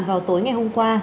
vào tối ngày hôm qua